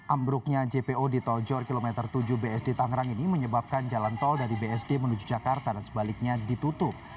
ambruknya jpo di tol jor kilometer tujuh bsd tangerang ini menyebabkan jalan tol dari bsd menuju jakarta dan sebaliknya ditutup